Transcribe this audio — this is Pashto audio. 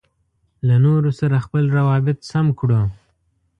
له نورو سره خپل روابط سم کړو.